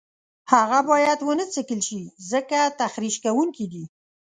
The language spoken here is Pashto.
هغه باید ونه څکل شي ځکه تخریش کوونکي دي.